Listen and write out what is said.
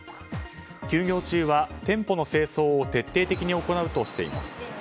休業中は店舗の清掃を徹底的に行うとしています。